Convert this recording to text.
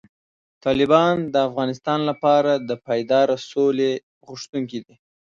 طالبان د افغانستان لپاره د پایداره سولې غوښتونکي دي.